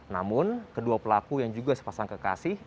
namun kedua pelaku yang juga sepasang kekasih